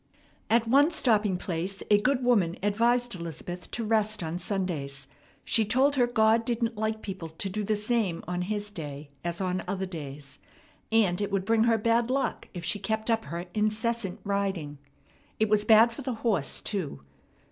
At one stopping place a good woman advised Elizabeth to rest on Sundays. She told her God didn't like people to do the same on His day as on other days, and it would bring her bad luck if she kept up her incessant riding. It was bad for the horse too.